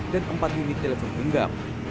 dan empat unit telepon benggam